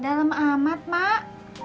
dalam amat mak